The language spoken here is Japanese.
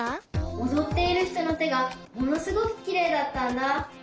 おどっているひとのてがものすごくきれいだったんだ。